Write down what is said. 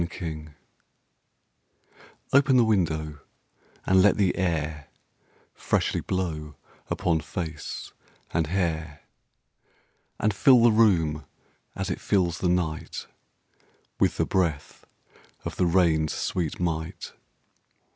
Nelson] OPEN the window, and let the air Freshly blow upon face and hair, And fill the room, as it fills the night, With the breath of the rain's sweet might.